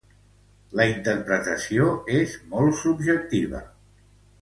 La interpretació és molt subjectiva.